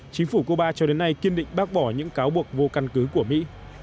chính phủ cuba cho đến nay kiên định bác bỏ những cáo buộc vô căn cứ của mỹ